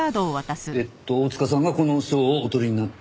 えっと大塚さんがこの賞をお取りになって。